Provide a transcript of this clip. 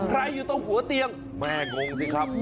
อยู่ตรงหัวเตียงแม่งงสิครับ